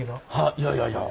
いやいやいや。